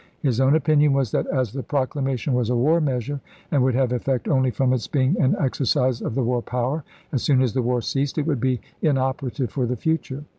His own opinion was that as the proclamation was a war measure, and would have effect only from its being an exercise of the war power, as soon as the war ceased it would be in operative for the future.